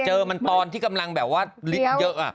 เจอมันกำลังที่กำลังลิขเยอะ